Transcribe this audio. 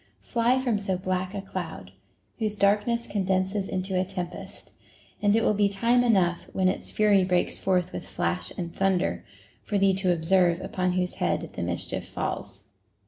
Fly from so black a cloud, whose dark ness condenses into a tempest ; and it will be time enough, when its fury breaks forth with flash and thunder, for thee to observe upon whose head the mischief falls.